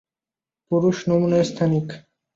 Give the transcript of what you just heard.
পুরুষ নমুনা স্থানিক।